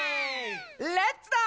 レッツだ！